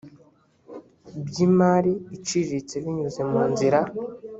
by’imari iciriritse binyuze mu nzira